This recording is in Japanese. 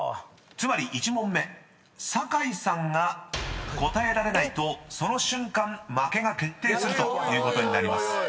［つまり１問目酒井さんが答えられないとその瞬間負けが決定するということになります］